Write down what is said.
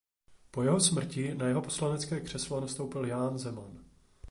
Po jeho smrti na jeho poslanecké křeslo nastoupil Ján Zeman.